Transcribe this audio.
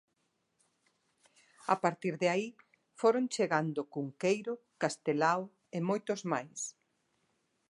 A partir de aí foron chegando Cunqueiro, Castelao e moitos máis.